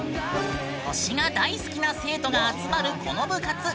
星が大好きな生徒が集まるこの部活。